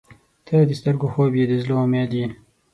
• ته د سترګو خوب یې، د زړه امید یې.